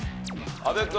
阿部君。